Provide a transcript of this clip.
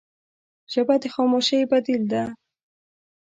ژبه د خاموشۍ بدیل ده